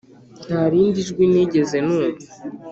nta rindi jwi nigeze numva